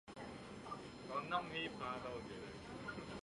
阿杰后来把这块可能带来大祸的玉牌扔进了海水里。